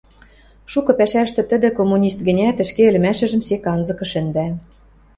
шукы пӓшӓштӹ тӹдӹ, коммунист гӹнят, ӹшке ӹлӹмӓшӹжӹм сек анзыкы шӹндӓ.